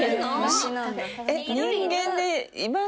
えっ人間でいます？